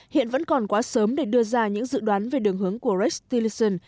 hiện vẫn còn quá sớm để đưa ra những dự đoán về đường hướng của rex tillerson